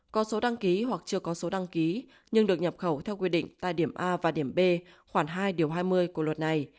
có số đăng ký hoặc chưa có số đăng ký nhưng được nhập khẩu theo quy định tại điểm a và điểm b khoảng hai điều hai mươi của luật này